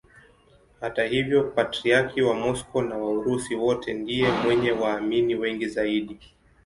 Hata hivyo Patriarki wa Moscow na wa Urusi wote ndiye mwenye waamini wengi zaidi.